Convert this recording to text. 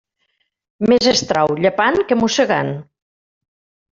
Més es trau llepant que mossegant.